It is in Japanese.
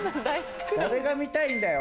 誰が見たいんだよ